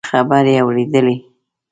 خبرې اورېدلې.